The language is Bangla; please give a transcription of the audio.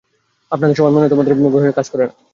আমাদের সবাই মনে হয় তোমার হয়ে কাজ করে না।